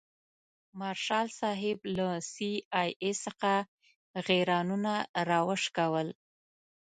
مارشال صاحب له سي آی اې څخه غیرانونه راوشکول.